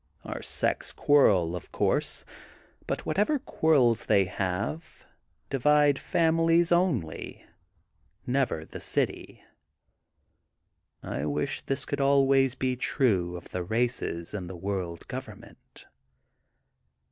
"Our sects quarrel, of course, but whatever quarrels they have divide families only, never the city. "I wish this could always be^true of the races in the World Government.